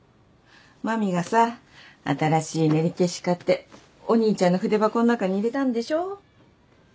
麻美がさ新しい練り消し買ってお兄ちゃんの筆箱の中に入れたんでしょ？